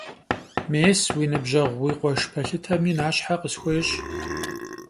Mês, vui nıbjeğu vui khueşş pelhıtemi naşhe khısxuêş'.